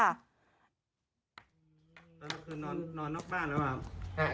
นอนนอกบ้านแล้วครับ